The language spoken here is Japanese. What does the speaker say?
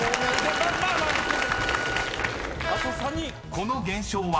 ［この現象は？］